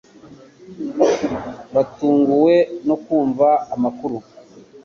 Batunguwe no kumva amakuru